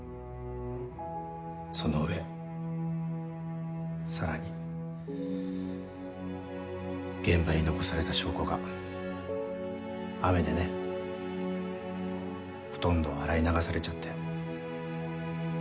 その上さらに現場に残された証拠が雨でねほとんど洗い流されちゃって。